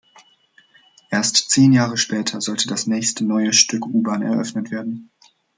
Erst zehn Jahre später sollte das nächste neue Stück U-Bahn eröffnet werden.